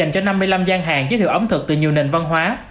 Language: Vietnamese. cho năm mươi năm gian hàng giới thiệu ẩm thực từ nhiều nền văn hóa